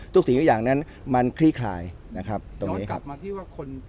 ทุกสิ่งอย่างนั้นมันคลี่คลายนะครับตรงนี้ครับย้อนกลับมาที่ว่าคน